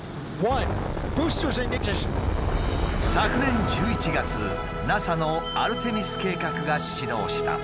昨年１１月ＮＡＳＡのアルテミス計画が始動した。